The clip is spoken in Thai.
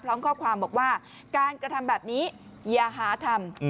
พร้อมข้อความบอกว่าการกระทำแบบนี้อย่าหาทำ